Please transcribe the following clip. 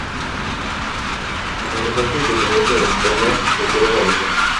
Sin dejarse impresionar con el informe, lo tira a la basura.